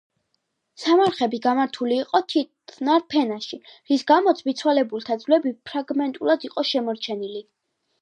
სამარხები გამართული იყო თიხნარ ფენაში, რის გამოც მიცვალებულთა ძვლები ფრაგმენტულად იყო შემორჩენილი.